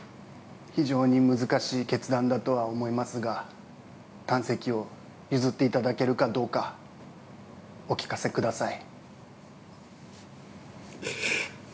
非常に難しい決断だとは思いますが胆石を譲っていただけるかどうかお聞かせください。